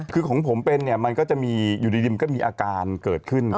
คือของผมเป็นเนี่ยมันก็จะมีอยู่ดีมันก็มีอาการเกิดขึ้น